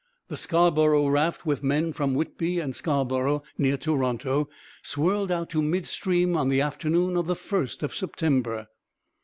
The Scarborough raft, with men from Whitby and Scarborough, near Toronto, swirled out to midstream on the afternoon of the 1st of September.